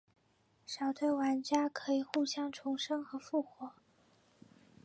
小队玩家可以互相重生和复活。